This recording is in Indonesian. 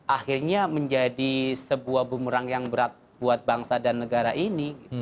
akhirnya menjadi sebuah bumerang yang berat buat bangsa dan negara ini